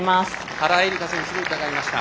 原英莉花選手に伺いました。